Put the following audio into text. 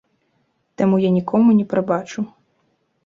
Таму я нікому не прабачу.